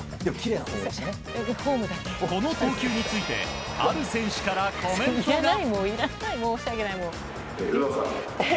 この投球についてある選手からコメントが。